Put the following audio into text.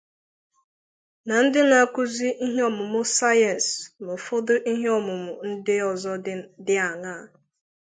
na ndị na-akụzi ihe ọmụmụ sayensi na ụfọdụ ihe ọmụmụ ndị ọzọ dị añaa